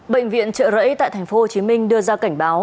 bệnh viện trợ rẫy tại tp hcm đưa ra cảnh báo